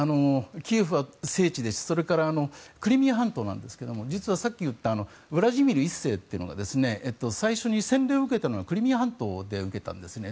キエフは聖地ですしクリミア半島なんですが実は、さっき言ったウラジーミル１世というのが最初に洗礼を受けたのはクリミア半島で受けたんですね。